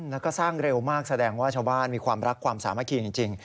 แล้วก็สร้างเร็วมากแสดงว่าชาวบ้านมีความรักความสามัคคีจริง